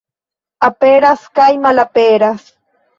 Aperas kaj malaperas.